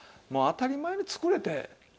もう当たり前に作れて。